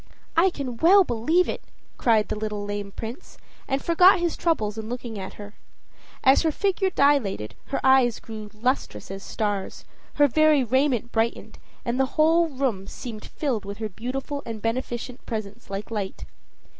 "I can well believe it," cried the little lame Prince, and forgot his troubles in looking at her as her figure dilated, her eyes grew lustrous as stars, her very raiment brightened, and the whole room seemed filled with her beautiful and beneficent presence like light.